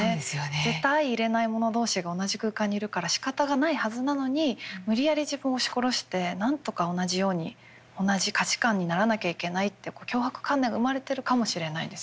絶対相いれない者同士が同じ空間にいるからしかたがないはずなのに無理やり自分を押し殺してなんとか同じように同じ価値観にならなきゃいけないって強迫観念が生まれてるかもしれないですよね。